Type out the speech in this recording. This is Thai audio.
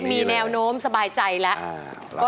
ฝั่งนี้มีแนวโน้มสบายใจแล้ว